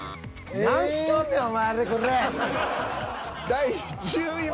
第１０位は。